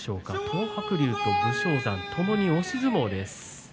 東白龍と武将山ともに押し相撲です。